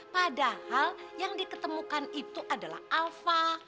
padahal yang diketemukan itu adalah alfa